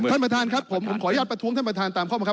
ท่านประธานครับผมผมขออนุญาตประท้วงท่านประธานตามข้อบังคับ